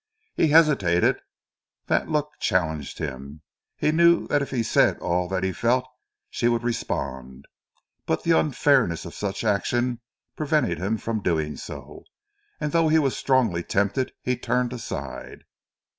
He hesitated. That look challenged him. He knew that if he said all that he felt she would respond. But the unfairness of such action prevented him from doing so, and though he was strongly tempted he turned aside.